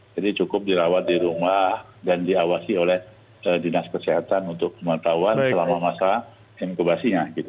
jadi cukup dirawat di rumah dan diawasi oleh dinas kesehatan untuk pemerintah selama masa inkubasinya